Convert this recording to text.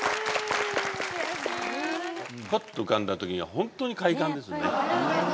パッと浮かんだ時には本当に快感ですね。